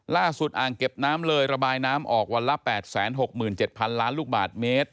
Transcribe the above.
อ่างเก็บน้ำเลยระบายน้ำออกวันละ๘๖๗๐๐ล้านลูกบาทเมตร